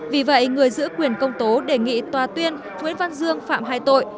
vì vậy người giữ quyền công tố đề nghị tòa tuyên nguyễn văn dương phạm hai tội